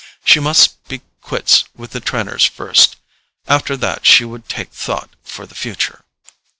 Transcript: She must be quits with the Trenors first; after that she would take thought for the future.